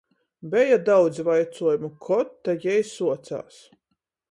Beja daudz vaicuojumu, kod ta jei suocās.